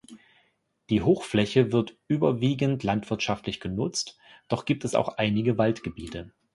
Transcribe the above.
Die Hochfläche wird überwiegend landwirtschaftlich genutzt, doch gibt es auch einige Waldgebiete.